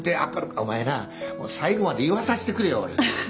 お前な最後まで言わさせてくれよ。